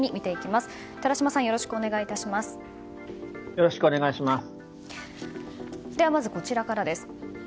まずは、こちらからです。